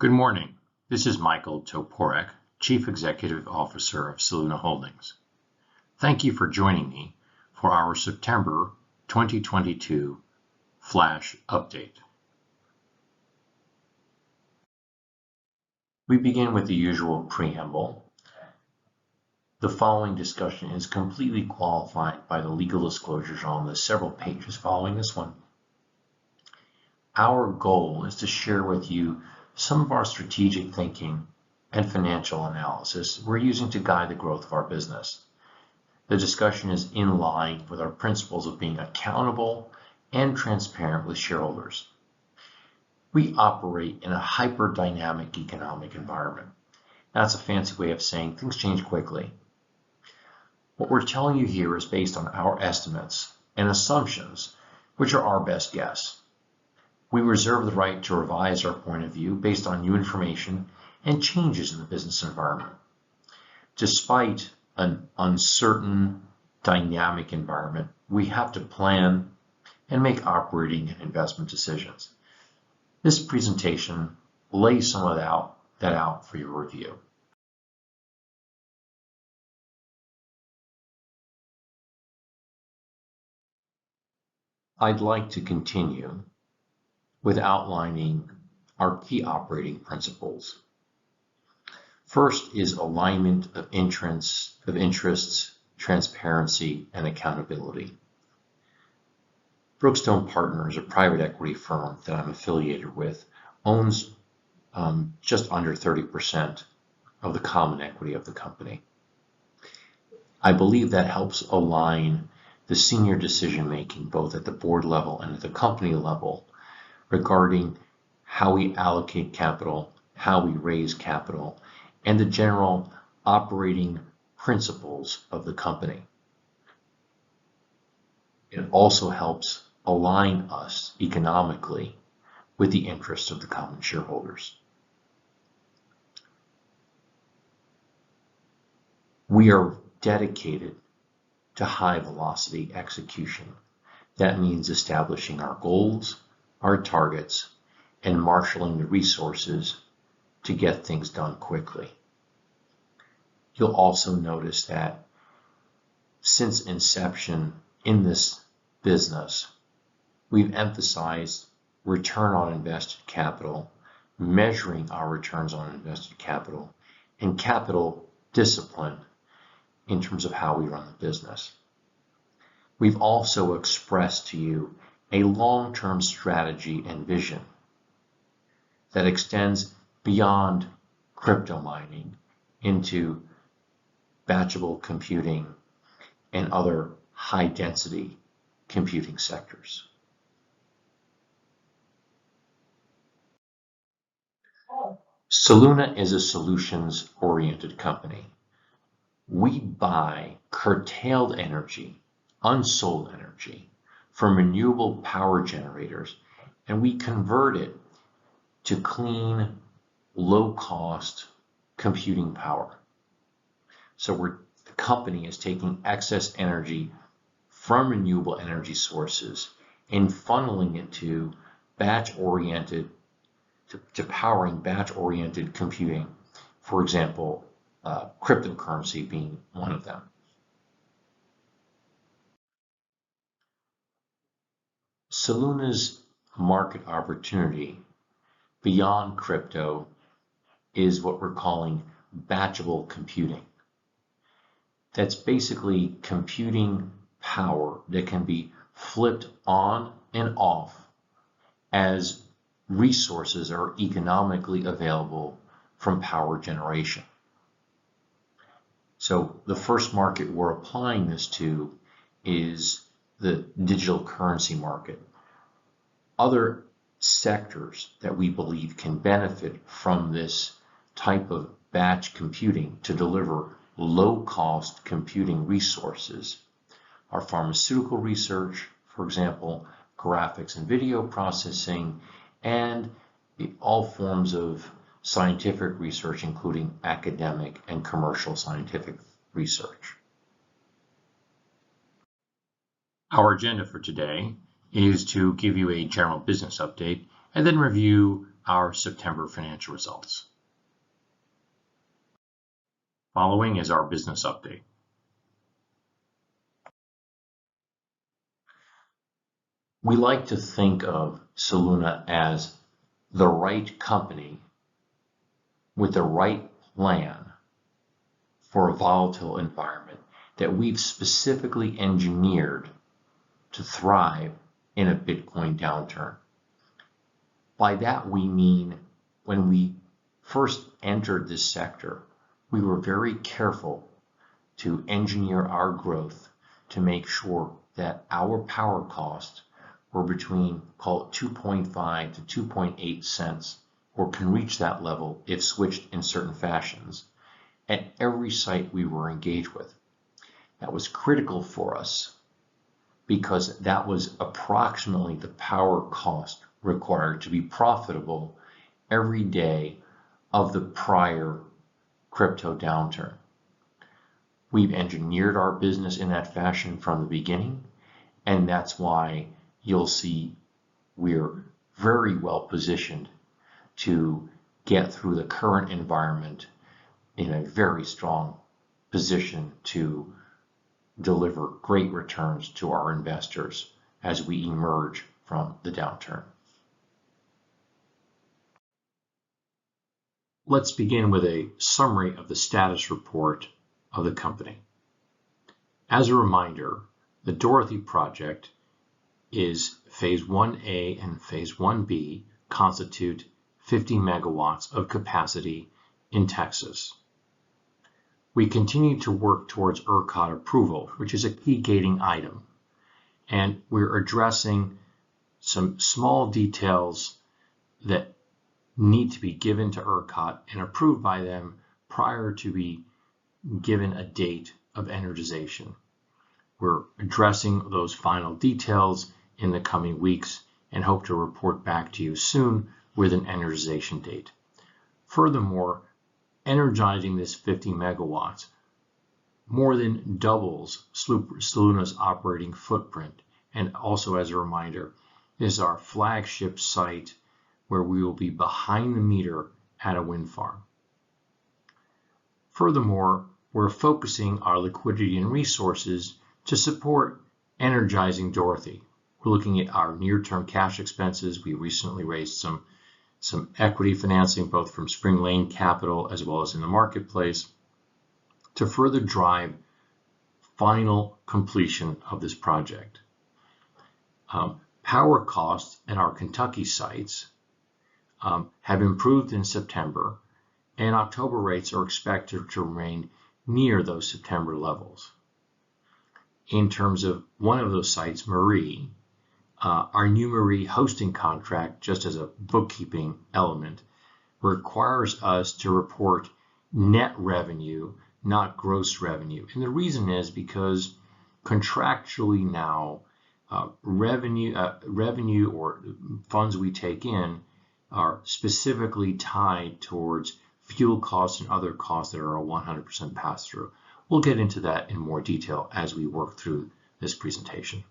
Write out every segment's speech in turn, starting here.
Good morning. This is Michael Toporek, Chief Executive Officer of Soluna Holdings. Thank you for joining me for our September 2022 flash update. We begin with the usual preamble. The following discussion is completely qualified by the legal disclosures on the several pages following this one. Our goal is to share with you some of our strategic thinking and financial analysis we're using to guide the growth of our business. The discussion is in line with our principles of being accountable and transparent with shareholders. We operate in a hyper-dynamic economic environment. That's a fancy way of saying things change quickly. What we're telling you here is based on our estimates and assumptions, which are our best guess. We reserve the right to revise our point of view based on new information and changes in the business environment. Despite an uncertain dynamic environment, we have to plan and make operating and investment decisions. This presentation lays some of that out for your review. I'd like to continue with outlining our key operating principles. First is alignment of interests, transparency, and accountability. Brookstone Partners, a private equity firm that I'm affiliated with, owns just under 30% of the common equity of the company. I believe that helps align the senior decision-making, both at the board level and at the company level, regarding how we allocate capital, how we raise capital, and the general operating principles of the company. It also helps align us economically with the interests of the common shareholders. We are dedicated to high-velocity execution. That means establishing our goals, our targets, and marshaling the resources to get things done quickly. You'll also notice that since inception in this business, we've emphasized return on invested capital, measuring our returns on invested capital, and capital discipline in terms of how we run the business. We've also expressed to you a long-term strategy and vision that extends beyond crypto mining into batchable computing and other high-density computing sectors. Soluna is a solutions-oriented company. We buy curtailed energy, unsold energy from renewable power generators, and we convert it to clean, low-cost computing power. The company is taking excess energy from renewable energy sources and funneling it to powering batchable computing. For example, cryptocurrency being one of them. Soluna's market opportunity beyond crypto is what we're calling batchable computing. That's basically computing power that can be flipped on and off as resources are economically available from power generation. The first market we're applying this to is the digital currency market. Other sectors that we believe can benefit from this type of batch computing to deliver low-cost computing resources are pharmaceutical research, for example, graphics and video processing, and all forms of scientific research, including academic and commercial scientific research. Our agenda for today is to give you a general business update and then review our September financial results. Following is our business update. We like to think of Soluna as the right company with the right plan for a volatile environment that we've specifically engineered to thrive in a Bitcoin downturn. By that, we mean when we first entered this sector, we were very careful to engineer our growth to make sure that our power costs were between, call it $0.025-$0.028, or can reach that level if switched in certain fashions at every site we were engaged with. That was critical for us because that was approximately the power cost required to be profitable every day of the prior crypto downturn. We've engineered our business in that fashion from the beginning, and that's why you'll see we're very well-positioned to get through the current environment in a very strong position to deliver great returns to our investors as we emerge from the downturn. Let's begin with a summary of the status report of the company. As a reminder, the Dorothy Project is Phase 1A and Phase 1B constitute 50MW of capacity in Texas. We continue to work towards ERCOT approval, which is a key gating item, and we're addressing some small details that need to be given to ERCOT and approved by them prior to be given a date of energization. We're addressing those final details in the coming weeks and hope to report back to you soon with an energization date. Furthermore, energizing this 50MW more than doubles Soluna's operating footprint, and also as a reminder, is our flagship site where we will be behind the meter at a wind farm. Furthermore, we're focusing our liquidity and resources to support energizing Dorothy. We're looking at our near-term cash expenses. We recently raised some equity financing, both from Spring Lane Capital as well as in the marketplace to further drive final completion of this project. Power costs in our Kentucky sites have improved in September, and October rates are expected to remain near those September levels. In terms of one of those sites, Marie, our new Marie hosting contract, just as a bookkeeping element, requires us to report net revenue, not gross revenue. The reason is because contractually now, revenue or funds we take in are specifically tied towards fuel costs and other costs that are a 100% pass-through. We'll get into that in more detail as we work through this presentation.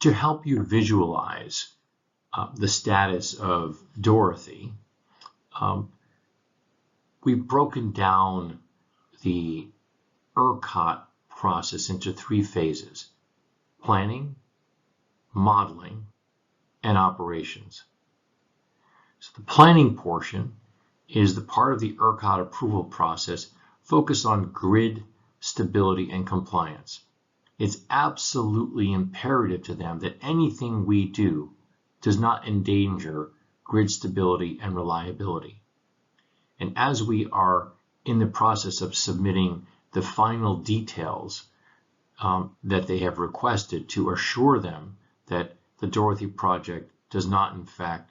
To help you visualize the status of Dorothy, we've broken down the ERCOT process into three phases, planning, modeling, and operations. The planning portion is the part of the ERCOT approval process focused on grid stability and compliance. It's absolutely imperative to them that anything we do does not endanger grid stability and reliability. As we are in the process of submitting the final details that they have requested to assure them that the Dorothy project does not in fact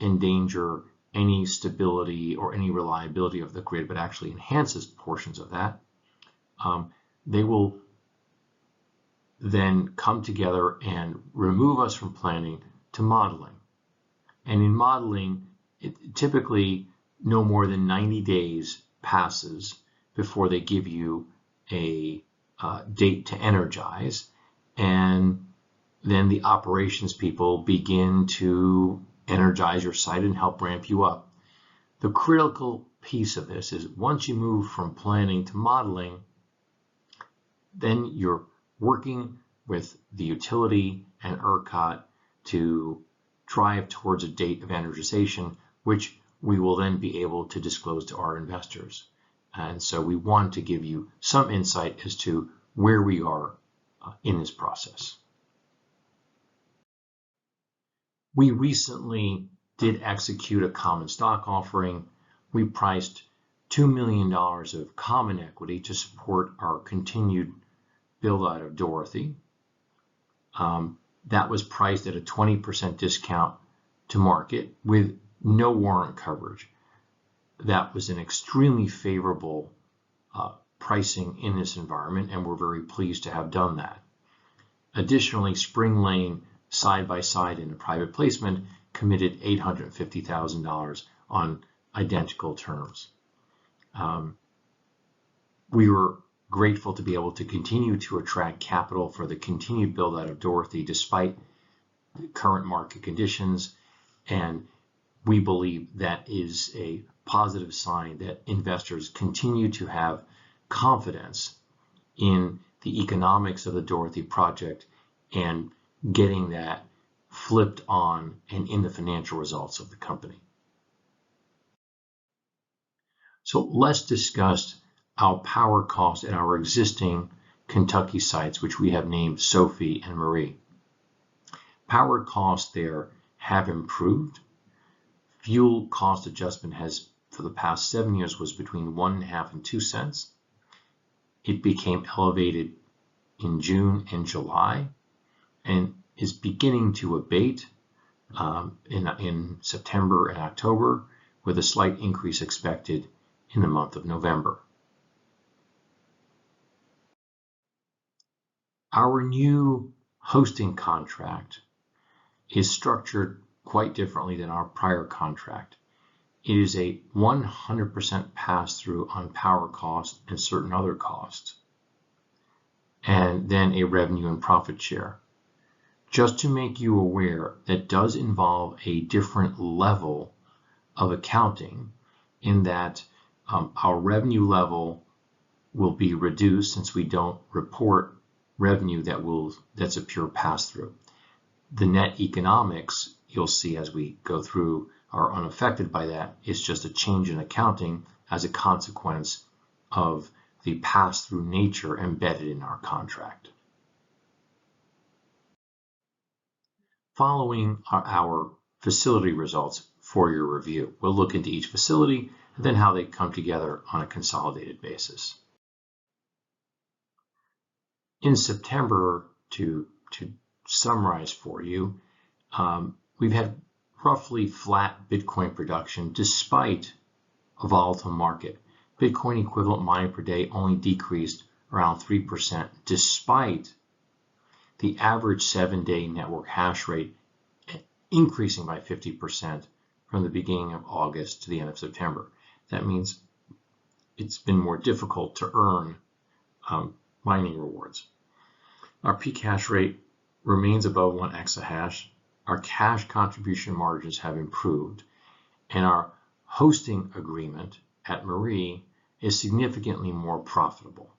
endanger any stability or any reliability of the grid, but actually enhances portions of that, they will then come together and remove us from planning to modeling. In modeling, typically, no more than 90 days passes before they give you a date to energize, and then the operations people begin to energize your site and help ramp you up. The critical piece of this is once you move from planning to modeling, then you're working with the utility and ERCOT to drive towards a date of energization, which we will then be able to disclose to our investors We want to give you some insight as to where we are in this process. We recently did execute a common stock offering. We priced $2 million of common equity to support our continued build-out of Dorothy. That was priced at a 20% discount to market with no warrant coverage. That was an extremely favorable pricing in this environment, and we're very pleased to have done that. Additionally, Spring Lane, side by side in a private placement, committed $850,000 on identical terms. We were grateful to be able to continue to attract capital for the continued build-out of Dorothy despite the current market conditions, and we believe that is a positive sign that investors continue to have confidence in the economics of the Dorothy project and getting that online and into the financial results of the company. Let's discuss our power costs at our existing Kentucky sites, which we have named Sophie and Marie. Power costs there have improved. Fuel cost adjustment has, for the past seven years, been between $0.015 and $0.02. It became elevated in June and July and is beginning to abate in September and October, with a slight increase expected in the month of November. Our new hosting contract is structured quite differently than our prior contract. It is a 100% pass-through on power cost and certain other costs, and then a revenue and profit share. Just to make you aware, it does involve a different level of accounting in that, our revenue level will be reduced since we don't report revenue that will-- that's a pure pass-through. The net economics, you'll see as we go through, are unaffected by that. It's just a change in accounting as a consequence of the pass-through nature embedded in our contract. Following are our facility results for your review. We'll look into each facility and then how they come together on a consolidated basis. In September, to summarize for you, we've had roughly flat Bitcoin production despite a volatile market Bitcoin equivalent mining per day only decreased around 3% despite the average seven-day network hash rate increasing by 50% from the beginning of August to the end of September. That means it's been more difficult to earn mining rewards. Our peak hash rate remains above 1 exahash. Our cash contribution margins have improved, and our hosting agreement at Marie is significantly more profitable.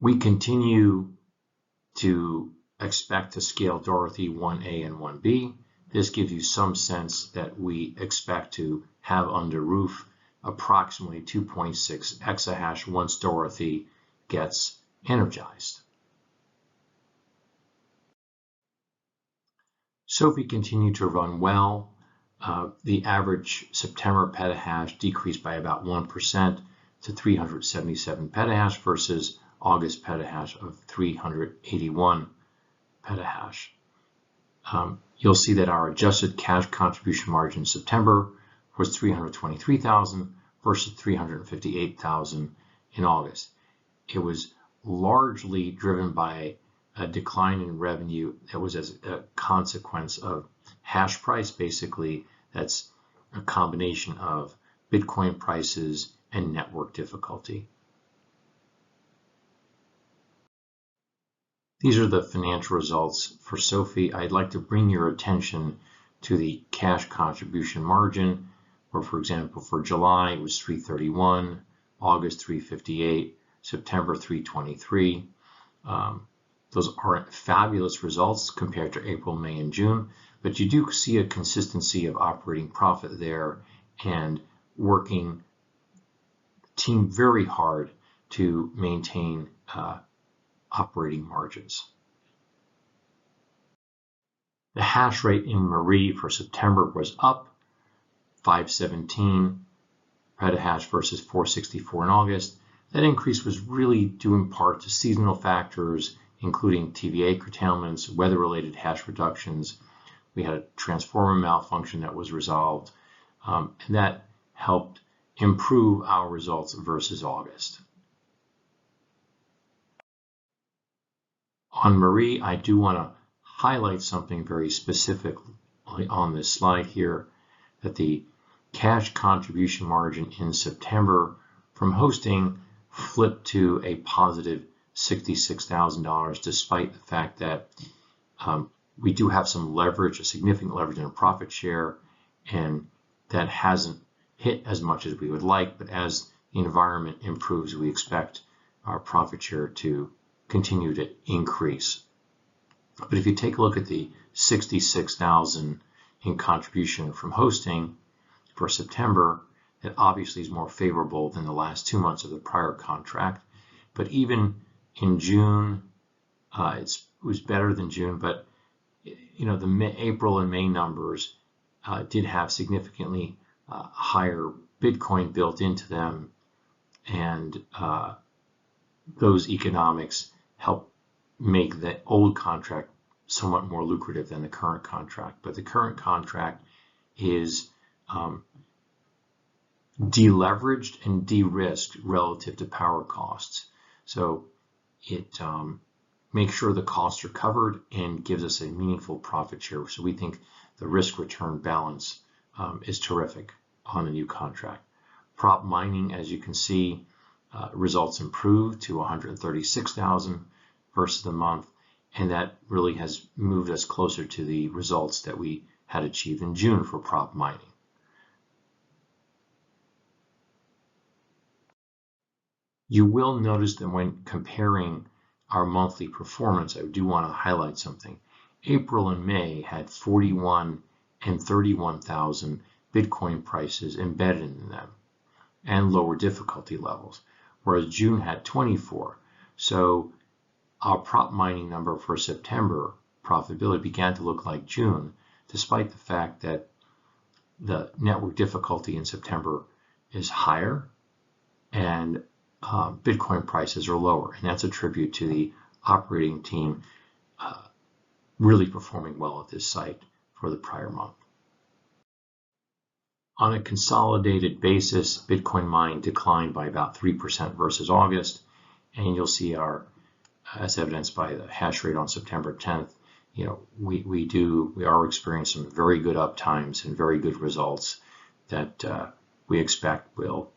We continue to expect to scale Dorothy 1A and 1B. This gives you some sense that we expect to have under roof approximately 2.6 exahash once Dorothy gets energized. Sophie continued to run well. The average September petahash decreased by about 1% to 377 petahash versus August petahash of 381 petahash. You'll see that our adjusted cash contribution margin in September was $323,000 versus $358,000 in August. It was largely driven by a decline in revenue that was as a consequence of hash price. Basically, that's a combination of Bitcoin prices and network difficulty. These are the financial results for Soluna. I'd like to bring your attention to the cash contribution margin. For example, for July, it was $331,000, August, $358,000, September, $323,000. Those aren't fabulous results compared to April, May, and June, but you do see a consistency of operating profit there and our team is working very hard to maintain operating margins. Our hash rate for September was up 517 petahash versus 464 in August. That increase was really due in part to seasonal factors, including TVA curtailments, weather-related hash reductions. We had a transformer malfunction that was resolved, and that helped improve our results versus August. On margin, I do wanna highlight something very specifically on this slide here, that the cash contribution margin in September from hosting flipped to a positive $66,000, despite the fact that we do have some leverage, a significant leverage in a profit share, and that hasn't hit as much as we would like. As the environment improves, we expect our profit share to continue to increase. If you take a look at the $66,000 in contribution from hosting for September, it obviously is more favorable than the last two months of the prior contract. Even in June, it was better than June, but you know, the April and May numbers did have significantly higher Bitcoin built into them. Those economics help make the old contract somewhat more lucrative than the current contract. The current contract is de-leveraged and de-risked relative to power costs, so it makes sure the costs are covered and gives us a meaningful profit share. We think the risk-return balance is terrific on the new contract. Prop mining, as you can see, results improved to $136,000 versus the month, and that really has moved us closer to the results that we had achieved in June for prop mining. You will notice that when comparing our monthly performance, I do wanna highlight something. April and May had $41,000 and $31,000 Bitcoin prices embedded in them and lower difficulty levels, whereas June had $24,000. Our prop mining number for September profitability began to look like June, despite the fact that the network difficulty in September is higher and Bitcoin prices are lower. That's a tribute to the operating team really performing well at this site for the prior month. On a consolidated basis, Bitcoin mining declined by about 3% versus August, and you'll see as evidenced by the hash rate on September 10th, you know, we are experiencing very good uptimes and very good results that we expect will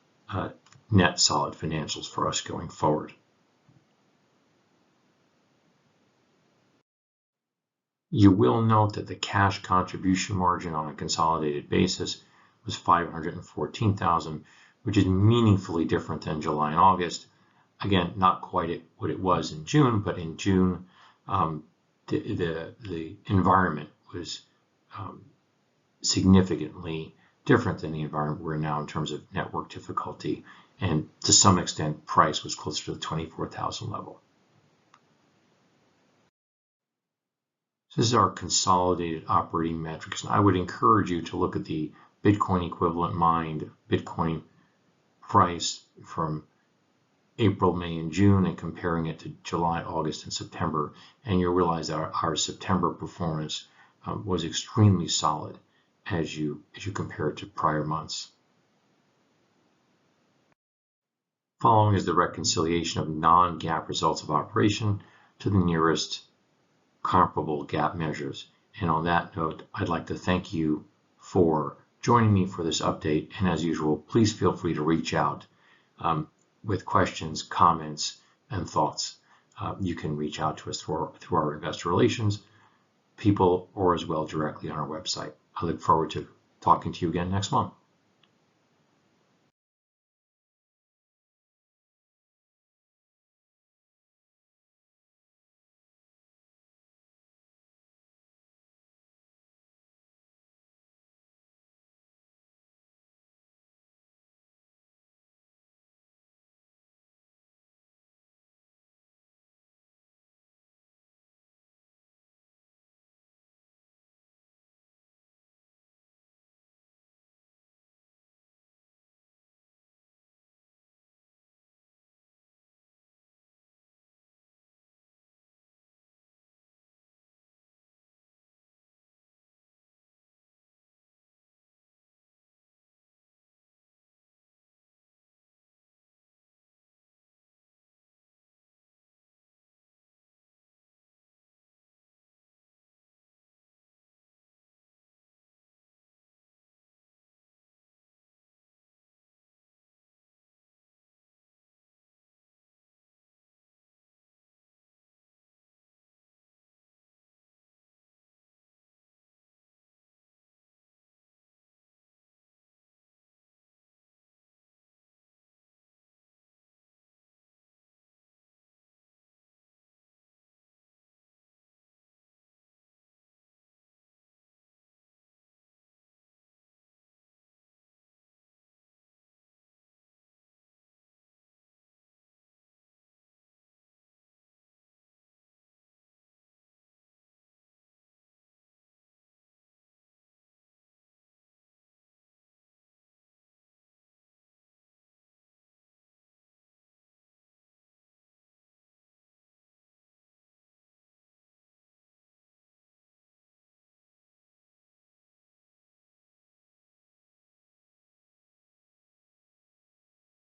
net solid financials for us going forward. You will note that the cash contribution margin on a consolidated basis was $514,000, which is meaningfully different than July and August. Again, not quite what it was in June, but in June, the environment was significantly different than the environment we're in now in terms of network difficulty, and to some extent, price was closer to the $24,000 level. This is our consolidated operating metrics. I would encourage you to look at the Bitcoin equivalent mined, Bitcoin price from April, May, and June, and comparing it to July, August, and September. You'll realize that our September performance was extremely solid as you compare it to prior months. Following is the reconciliation of non-GAAP results of operation to the nearest comparable GAAP measures. On that note, I'd like to thank you for joining me for this update. As usual, please feel free to reach out with questions, comments, and thoughts. You can reach out to us through our investor relations people or as well directly on our website. I look forward to talking to you again next month.